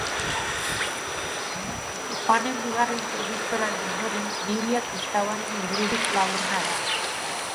Joanen bigarren epistolaren ondoren, Biblia kristauaren libururik laburrena da.